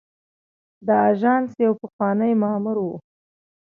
د آژانس یو پخوانی مامور و.